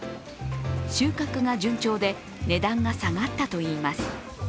収穫が順調で値段が下がったといいます。